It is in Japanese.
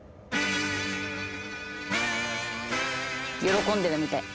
喜んでるみたい。